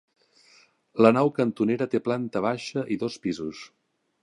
La nau cantonera té planta baixa i dos pisos.